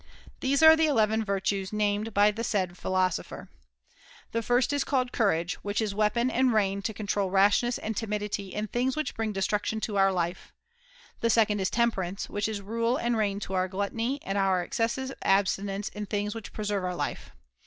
These are the eleven virtues named by the said philosopher. []3oJ The first is called courage, which is weapon and rein to control rashness and timidity in things which bring destruction to our life. The second is temperance, which is rule and rein to our gluttony and our excessive abstinence in things which preserve our life.